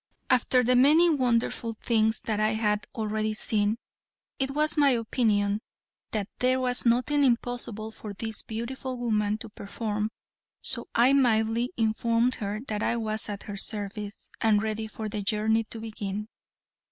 After the many wonderful things I had already seen it was my opinion that there was nothing impossible for this beautiful woman to perform, so I mildly informed her that I was at her service, and ready for the journey to begin.